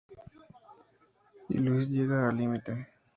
Y Luis llega al límite.